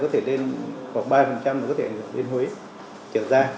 có thể đến khoảng ba là có thể ảnh hưởng đến huế trở ra